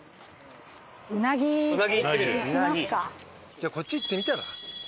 じゃあこっち行ってみたら？